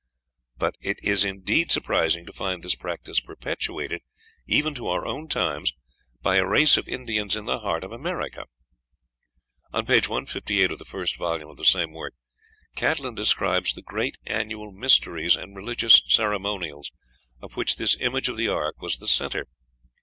But it is indeed surprising to find this practice perpetuated, even to our own times, by a race of Indians in the heart of America. On page 158 of the first volume of the same work Catlin describes the great annual mysteries and religious ceremonials of which this image of the ark was the centre.